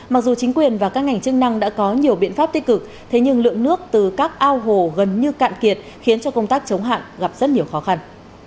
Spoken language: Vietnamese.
mặc dù chính quyền và các ngành chức năng đã có nhiều biện pháp tích cực thế nhưng lượng nước từ các ao hồ gần như cạn kiệt khiến cho công tác chống hạn gặp rất nhiều khó khăn